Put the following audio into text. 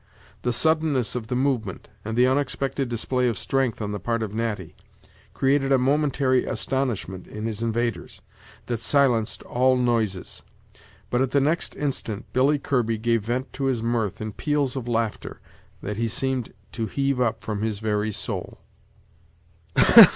The suddenness of the movement, and the unexpected display of strength on the part of Natty, created a momentary astonishment in his invaders, that silenced all noises; but at the next instant Billy Kirby gave vent to his mirth in peals of laughter, that he seemed to heave up from his very soul.